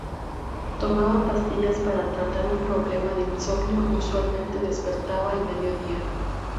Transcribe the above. Tomaba pastillas para tratar un problema de insomnio, usualmente despertaba al mediodía.